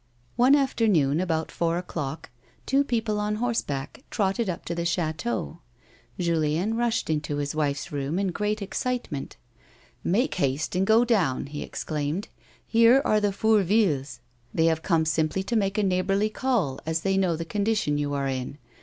One afternoon, about four o'clock, two people on horse back trotted up to the chateau. Julien rushed into his wife's room in great excitement :" Make haste and go down," he exclaimed. " Here are the Fourvilles. They have come simply to make a neigh bourly call as they know the condition you are in.